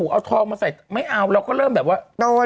เอาทองมาใส่ไม่เอาเราก็เริ่มแบบว่า